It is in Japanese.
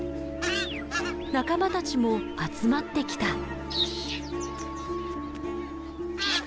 仲間たちも集まってきた。